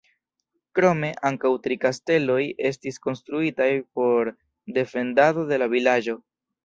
Krome, ankaŭ tri kasteloj estis konstruitaj por defendado de la vilaĝo.